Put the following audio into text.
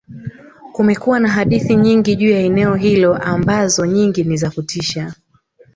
kumekuwa na hadithi nyingi juu ya eneo hilo ambazo nyingi ni za kutisha